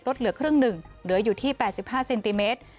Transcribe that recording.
เหลือครึ่งหนึ่งเหลืออยู่ที่๘๕เซนติเมตร